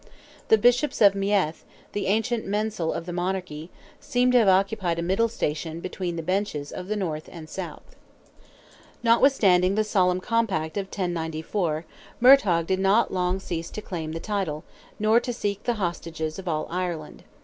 The Bishops of Meath, the ancient mensal of the monarchy, seem to have occupied a middle station between the benches of the north and south. Notwithstanding the solemn compact of 1094, Murtogh did not long cease to claim the title, nor to seek the hostages of all Ireland.